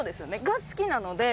が好きなので。